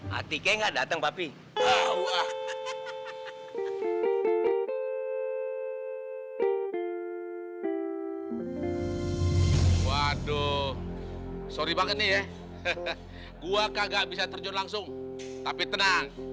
mati kayak nggak dateng papi waduh sorry banget nih ya gua kagak bisa terjun langsung tapi tenang